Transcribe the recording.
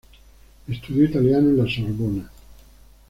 Estudió italiano en la Sorbona.